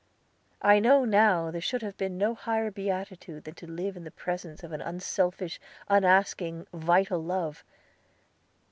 I know now there should have been no higher beatitude than to live in the presence of an unselfish, unasking, vital love.